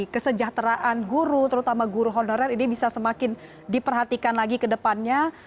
kesejahteraan guru terutama guru honorer ini bisa semakin diperhatikan lagi ke depannya